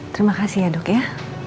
terima kasih ya dok ya